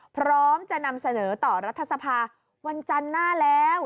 พร้อมจะนำเสนอต่อรัฐสภาวันจันทร์หน้าแล้ว